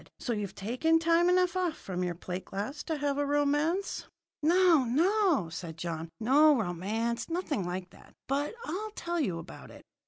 "So you've taken time enough off from your plate glass to have a romance?" "No, no," said John. "No romance nothing like that! But I'll tell you about it.